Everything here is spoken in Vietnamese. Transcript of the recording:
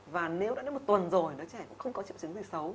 và nếu đã đến một tuần rồi nó trẻ cũng không có triệu chứng gì xấu